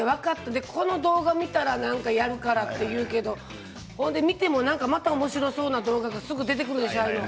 この動画を見たらなんかやるからと言うけど見てもまたおもしろそうな動画がすぐ出てくるでしょ、ああいうの。